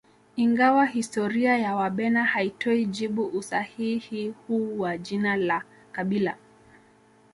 Ingawa historia ya Wabena haitoi jibu usahihi huu wa jina la kabila